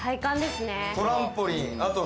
トランポリン。